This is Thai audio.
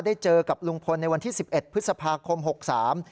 ได้เจอกับลุงพลในวันที่๑๑พฤษภาคม๖๓